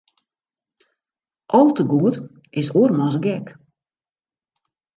Al te goed is oarmans gek.